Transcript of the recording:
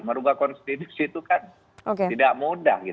merubah konstitusi itu kan tidak mudah